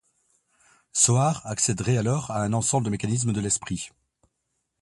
Soar accéderait alors à un ensemble de mécanismes de l’esprit.